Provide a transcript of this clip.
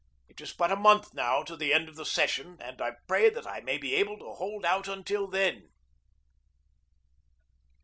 It is but a month now to the end of the session, and I pray that I may be able to hold out until then.